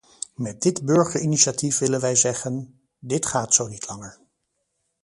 Met dit burgerinitiatief willen wij zeggen: dit gaat zo niet langer.